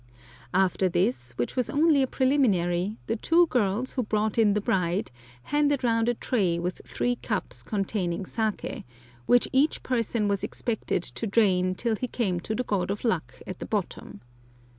After this, which was only a preliminary, the two girls who brought in the bride handed round a tray with three cups containing saké, which each person was expected to drain till he came to the god of luck at the bottom.